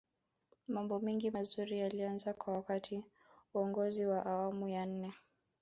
mambo mengi mazuri yalianza wakati wa uongozi wa awamu ya nne